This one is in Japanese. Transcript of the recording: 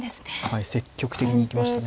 積極的に行きましたね。